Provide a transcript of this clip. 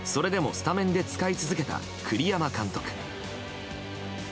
それでもスタメンで使い続けた栗山監督。